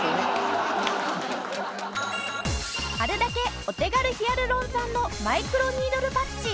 貼るだけお手軽ヒアルロン酸のマイクロニードルパッチ。